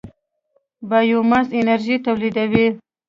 بایوماس انرژي تولیدوي.